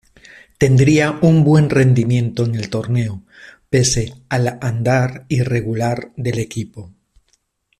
Tendría un buen rendimiento en el torneo pese al andar irregular del equipo.